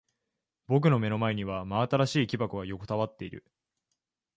僕の目の前には真新しい木箱が横たわっている。